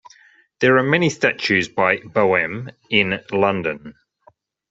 There are many statues by Boehm in London.